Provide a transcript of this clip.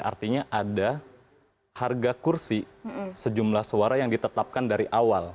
artinya ada harga kursi sejumlah suara yang ditetapkan dari awal